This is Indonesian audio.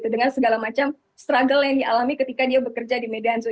dengan segala macam struggle yang dialami ketika dia bekerja di medan zo